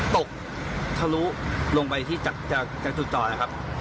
ตกทะลุลงไปที่จากจุดจอดนะครับ